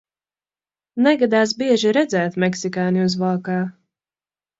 Negadās bieži redzēt meksikāni uzvalkā.